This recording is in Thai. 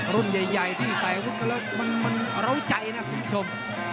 รุ่นใหญ่ที่ใส่อาวุธมันร้องใจนะคุณผู้ชม